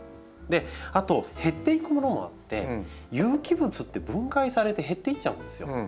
あと減っていくものもあって有機物って分解されて減っていっちゃうんですよ。